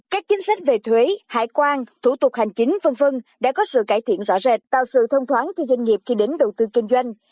các chính sách về thuế hải quan thủ tục hành chính v v đã có sự cải thiện rõ rệt tạo sự thông thoáng cho doanh nghiệp khi đến đầu tư kinh doanh